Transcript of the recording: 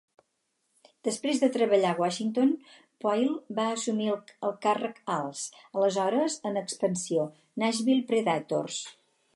Després de treballar a Washington, Poile va assumir el càrrec als, aleshores en expansió, Nashville Predators.